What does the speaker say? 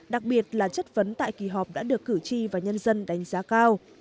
đặc biệt là chất vấn tại kỳ họp đã được cử tri và nhân dân đánh giá cao